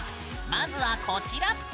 まずはこちら。